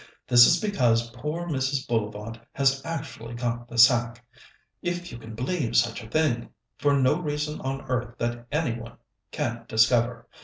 This is because poor Mrs. Bullivant has actually got the sack, if you can believe such a thing, for no reason on earth that any one can discover.